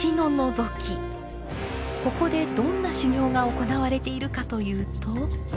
ここでどんな修行が行われているかというと。